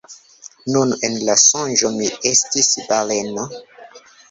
Nun, en la sonĝo, mi estis baleno.